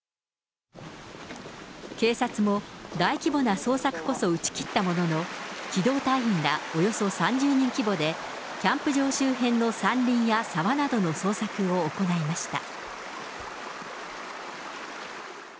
警察も大規模な捜索こそ打ち切ったものの、機動隊員らおよそ３０人規模で、キャンプ場周辺の山林や沢などの捜索を行いました。